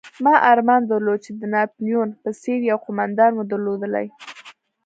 ما ارمان درلود چې د ناپلیون په څېر یو قومندان مو درلودلای.